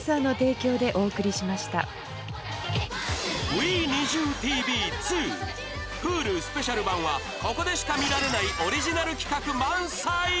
『ＷｅＮｉｚｉＵ！ＴＶ２』Ｈｕｌｕスペシャル版はここでしか見られないオリジナル企画満載！